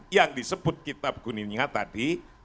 yang disebut kitab kuninya tadi